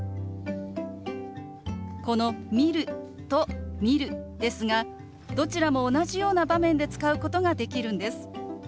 この「見る」と「見る」ですがどちらも同じような場面で使うことができるんです。